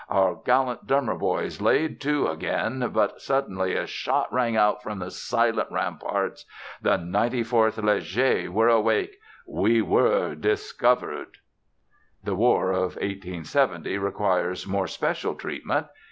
Our gallant drummer boys laid to again, but suddenly a shot rang out from the silent ramparts. The 94th Léger were awake. We were discovered! The war of 1870 requires more special treatment.